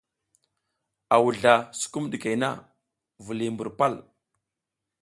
A wuzla sukum ɗikey na, viliy mbur pal.